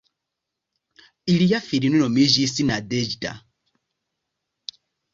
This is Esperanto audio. Ilia filino nomiĝis "Nadeĵda".